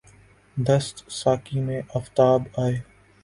دست ساقی میں آفتاب آئے